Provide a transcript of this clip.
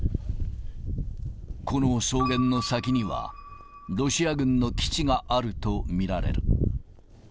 この草原の先には、ロシア軍の基地があると見られる。